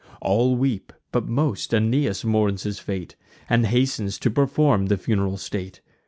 All weep; but most Aeneas mourns his fate, And hastens to perform the funeral state.